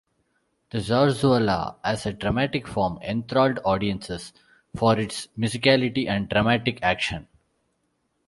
The zarzuela as a dramatic form enthralled audiences for its musicality and dramatic action.